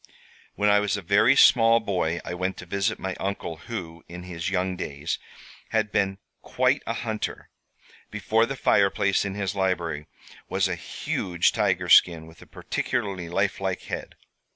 "When I was a very small boy I went to visit my uncle, who, in his young days, had been quite a hunter. Before the fireplace in his library was a huge tiger skin with a particularly lifelike head.